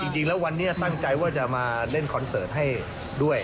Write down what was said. จริงแล้ววันนี้ตั้งใจว่าจะมาเล่นคอนเสิร์ตให้ด้วย